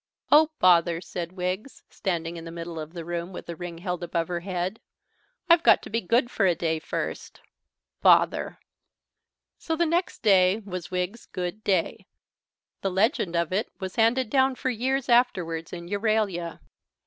"Oh, bother," said Wiggs, standing in the middle of the room with the ring held above her head. "I've got to be good for a day first. Bother!" So the next day was Wiggs's Good Day. The legend of it was handed down for years afterwards in Euralia.